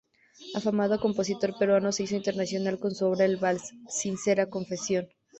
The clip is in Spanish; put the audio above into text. Afamado compositor peruano, se hizo internacional con su obra el vals, ""Sincera confesión"".